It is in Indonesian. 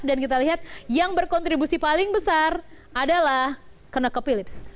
dan kita lihat yang berkontribusi paling besar adalah konocophillips